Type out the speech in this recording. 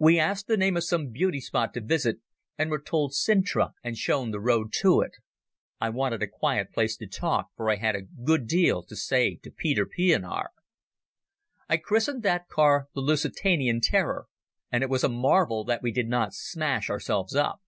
We asked the name of some beauty spot to visit, and were told Cintra and shown the road to it. I wanted a quiet place to talk, for I had a good deal to say to Peter Pienaar. I christened that car the Lusitanian Terror, and it was a marvel that we did not smash ourselves up.